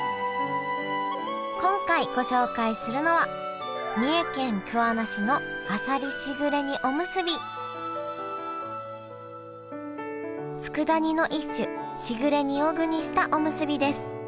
今回ご紹介するのはつくだ煮の一種しぐれ煮を具にしたおむすびです。